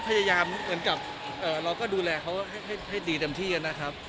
พยายามเหมือนกับเราก็ดูแลเขาให้ดีเต็มที่นะครับ